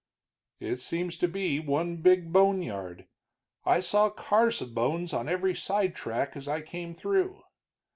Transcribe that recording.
"It seems to be one big boneyard; I saw cars of bones on every sidetrack as I came through."